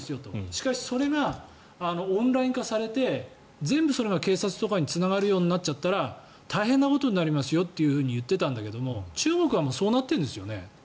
しかし、それがオンライン化されて全部それが警察とかにつながるようになっちゃったら大変なことになりますよといってたんだけど中国はもうそうなってるんですよね？